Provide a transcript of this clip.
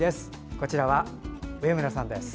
こちらは上村さんです。